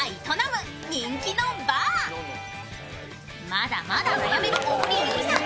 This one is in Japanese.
まだまだ悩める小栗有以さん。